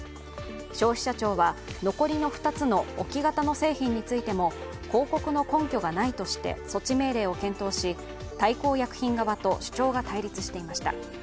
消費者庁は、残りの２つの置き型の製品についても広告の根拠がないとして措置命令を検討し大幸薬品側と主張が対立していました。